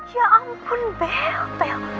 ya ampun bell